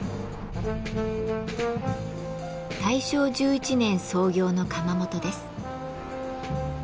大正１１年創業の窯元です。